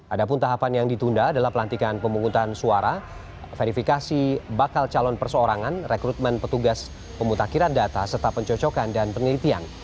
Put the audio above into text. ada pun tahapan yang ditunda adalah pelantikan pemungutan suara verifikasi bakal calon perseorangan rekrutmen petugas pemutakhiran data serta pencocokan dan penelitian